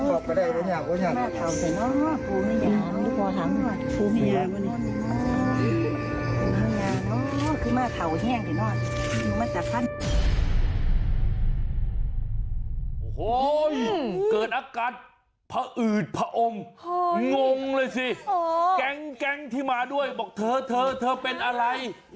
โอ้โหเกิดอาการผอืดผอมงงเลยสิแก๊งที่มาด้วยบอกเธอเธอเป็นอะไร